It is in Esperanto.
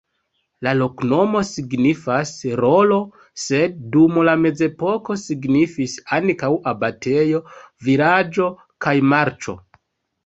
La loknomo signifas: rolo, sed dum la mezepoko signifis ankaŭ abatejo, vilaĝo kaj marĉo.